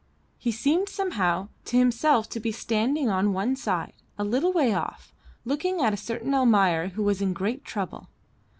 He seemed somehow to himself to be standing on one side, a little way off, looking at a certain Almayer who was in great trouble.